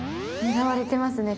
狙われてますね